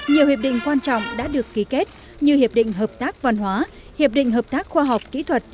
nhiều hiệp định quan trọng đã được ký kết như hiệp định hợp tác văn hóa hiệp định hợp tác khoa học kỹ thuật